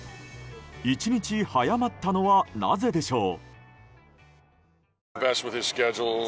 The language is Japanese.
１日早まったのはなぜでしょう？